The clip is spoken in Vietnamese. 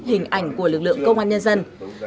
hình ảnh của lực lượng công an nhân dân